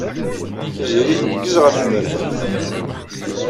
Tiziri tneggez ɣer tnerdabt.